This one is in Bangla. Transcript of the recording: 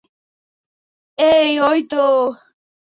এই, ওইতো।